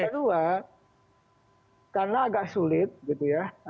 kedua karena agak sulit gitu ya